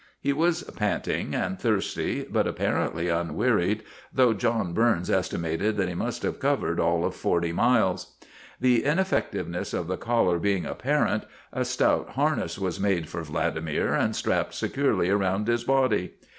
He was panting and thirsty, but apparently unwearied, though John Burns estimated that he must have covered all of forty miles. The ineffectiveness of the collar being apparent, a stout harness was made for Vladimir and strapped securely about his body.